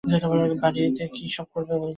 বাড়িতে কী সব করবে বলেছিল।